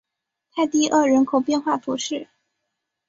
泰蒂厄人口变化图示